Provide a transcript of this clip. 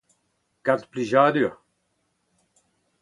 Gant plijadur.